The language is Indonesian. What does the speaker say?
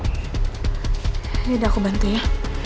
ini udah aku bantu ya